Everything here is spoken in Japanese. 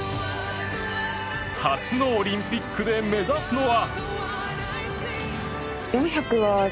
初のオリンピックで目指すのは。